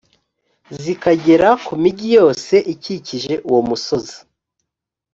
zikagera ku migi yose ikikije uwo musozi;